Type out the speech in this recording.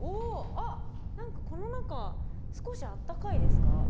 あっ何かこの中少しあったかいですか？